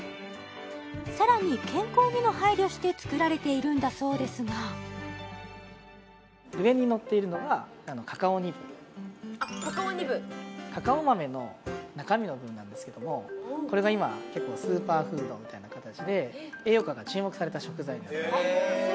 さらに健康にも配慮して作られているんだそうですが上にのっているのがカカオニブカカオニブカカオ豆の中身の部分なんですけどもこれが今結構スーパーフードみたいな形で栄養価が注目された食材ですへえあっ